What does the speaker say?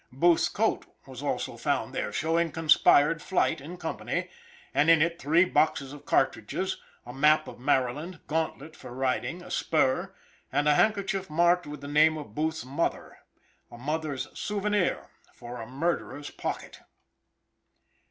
Booth's coat was also found there, showing conspired flight in company, and in it three boxes of cartridges, a map of Maryland, gauntlet for riding, a spur and a handkerchief marked with the name of Booth's mother a mother's souvenir for a murderer's pocket!